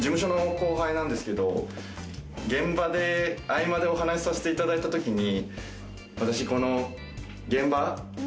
「現場で合間でお話しさせていただいたときに」